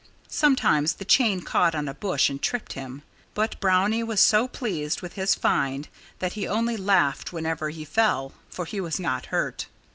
Sometimes the chain caught on a bush and tripped him. But Brownie was so pleased with his find that he only laughed whenever he fell, for he was not hurt.